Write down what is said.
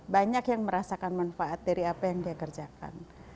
banyak yang merasakan manfaat dari apa yang dia kerjakan